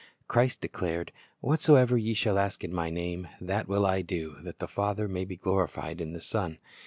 Christ declared, "Whatsoever ye shall ask in My name, that will I do, that the Father may be glorified in the Son.